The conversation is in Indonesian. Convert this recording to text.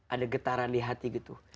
ada getaran di hati gitu